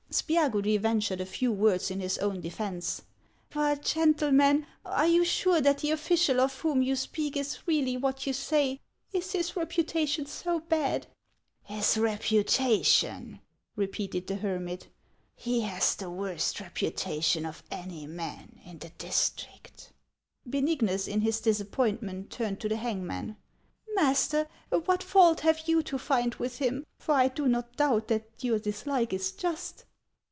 Spiagudry ventured a few words in his own defence. " But, gentlemen, are you sure that the official of whom you speak is really what you say? Is his repu tation so bad ?"" His reputation !" repeated the hermit ;" he has the worst reputation of any man in the district !" Benignus, in his disappointment, turned to the hangman. " Master, what fault have you to find with him ? For I do not doubt that your dislike is just."